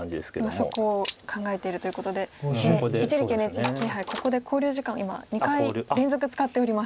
今そこを考えてるということで一力ＮＨＫ杯ここで考慮時間を今２回連続使っております。